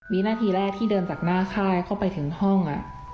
วินาทีแรกที่เดินจากหน้าค่ายเข้าไปถึงห้อง